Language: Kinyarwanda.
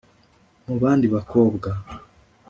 mubandi bakobwa…